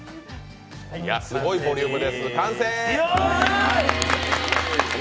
すごいボリュームです完成！